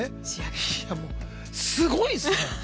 いやもう、すごいっすね！